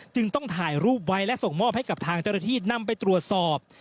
จึงต้องถ่ายรูปไว้และส่งมอบให้กับทางเจ้าหน้าที่นำไปตรวจสอบ